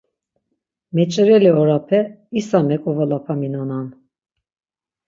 Meç̌ireli orape isa meǩovolapaminonan.